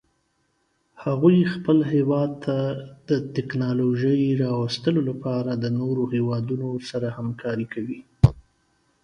هغوی خپل هیواد ته د تکنالوژۍ راوستلو لپاره د نورو هیوادونو سره همکاري کوي